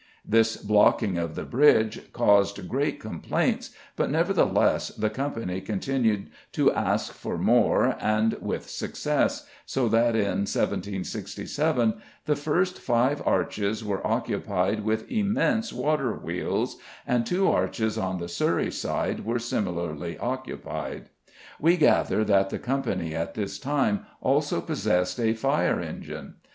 This blocking of the bridge caused great complaints, but, nevertheless, the Company continued to ask for more, and with success, so that in 1767 the first five arches were occupied with immense water wheels, and two arches on the Surrey side were similarly occupied. We gather that the Company at this time also possessed a "fire engine."